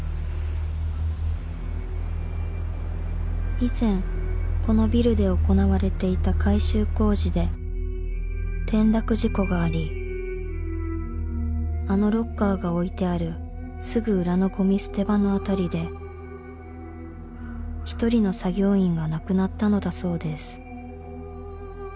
［以前このビルで行われていた改修工事で転落事故がありあのロッカーが置いてあるすぐ裏のごみ捨て場の辺りで一人の作業員が亡くなったのだそうです］